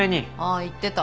あ言ってた。